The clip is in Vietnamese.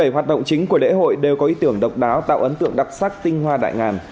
bảy hoạt động chính của lễ hội đều có ý tưởng độc đáo tạo ấn tượng đặc sắc tinh hoa đại ngàn